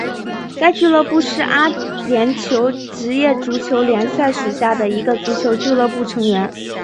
该俱乐部是阿联酋职业足球联赛属下的一个足球俱乐部成员。